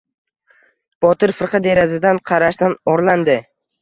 Botir firqa derazadan qarashdan orlandi.